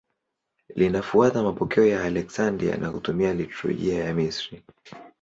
Linafuata mapokeo ya Aleksandria na kutumia liturujia ya Misri.